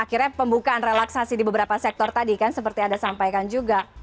akhirnya pembukaan relaksasi di beberapa sektor tadi kan seperti anda sampaikan juga